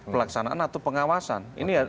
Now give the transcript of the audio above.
pelaksanaan atau pengawasan ini